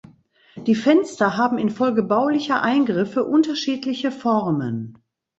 Die Fenster haben infolge baulicher Eingriffe unterschiedliche Formen.